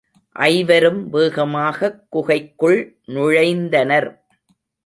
ஐவரும் வேகமாகக் குகைக்குள் நுழைந்தனர்.